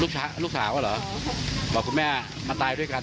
ลูกสาวลูกสาวอ่ะเหรอบอกคุณแม่มาตายด้วยกันอ่ะเหรอ